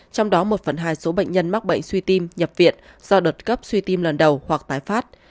trong đó một phần hai số bệnh nhân mắc bệnh suy tim nhập viện do đợt cấp suy tim lần đầu hoặc tái phát